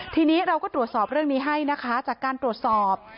ทีนี้เราก็ตรวจสอบเรื่องนี้ให้นะคะจากการตรวจสอบ